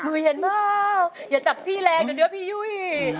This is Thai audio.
มือเย็นมากอย่าจับพี่แรงเดี๋ยวพี่ยุ้ย